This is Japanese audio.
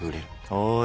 おい！